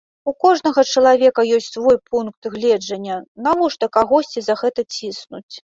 У кожнага чалавека ёсць свой пункт гледжання, навошта кагосьці за гэта ціснуць?